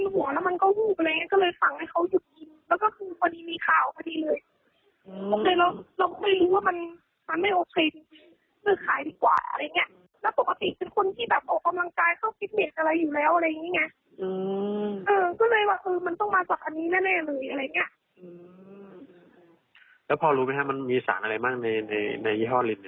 พอรู้มั้ยคะมันมีสารอะไรมากในยี่ห้อนมันเนี่ย